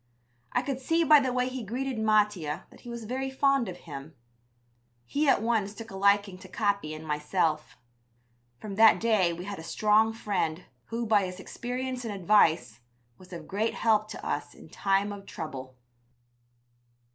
I could see by the way he greeted Mattia that he was very fond of him. He at once took a liking to Capi and myself. From that day we had a strong friend, who, by his experience and advice, was of great help to us in time of trouble.